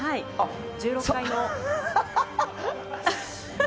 １６階の。